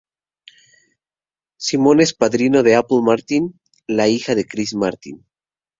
Simon es padrino de Apple Martin, la hija de Chris Martin.